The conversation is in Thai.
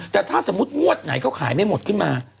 แต่ถ้าสมมุติงวดไหนเขาขายไม่หมดขึ้นมา